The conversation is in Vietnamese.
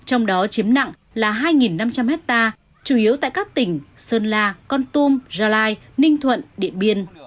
trong đó chiếm nặng là hai năm trăm linh hectare chủ yếu tại các tỉnh sơn la con tum gia lai ninh thuận điện biên